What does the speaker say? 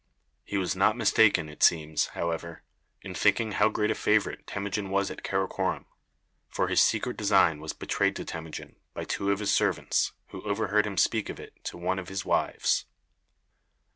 He was not mistaken, it seems, however, in thinking how great a favorite Temujin was at Karakorom, for his secret design was betrayed to Temujin by two of his servants, who overheard him speak of it to one of his wives.